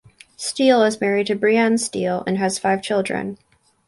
Steele is married to Brianne Steele and has five children.